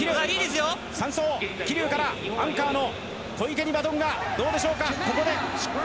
３走、桐生からアンカーの小池にバトンがどうでしょうか。